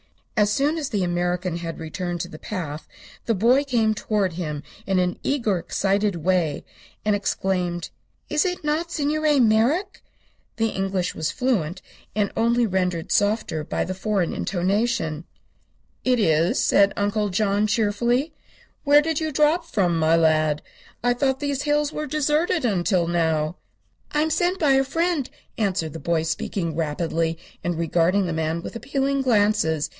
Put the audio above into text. As soon as the American had returned to the path the boy came toward him in an eager, excited way, and exclaimed: "Is it not Signor Merrick?" The English was fluent, and only rendered softer by the foreign intonation. "It is," said Uncle John, cheerfully. "Where did you drop from, my lad? I thought these hills were deserted, until now." "I am sent by a friend," answered the boy, speaking rapidly and regarding the man with appealing glances.